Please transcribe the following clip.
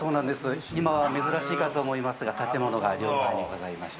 今は珍しいかと思いますが建物が両側にございまして。